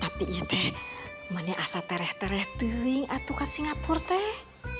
tapi ini tuh ini asal teriak teriak tuh yang ada di singapura tuh